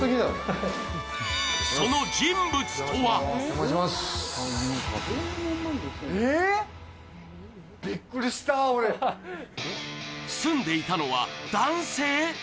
その人物とは住んでいたのは男性？